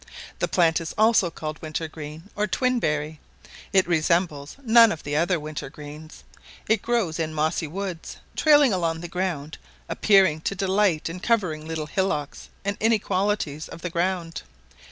The plant is also called winter green, or twin berry; it resembles none of the other winter greens; it grows in mossy woods, trailing along the ground, appearing to delight in covering little hillocks and inequalities of the ground.